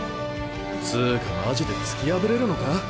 つうかマジで突き破れるのか？